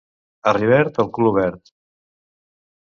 A Rivert, el cul obert.